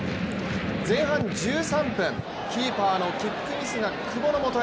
前半１３分、キーパーのキックミスが久保のもとへ。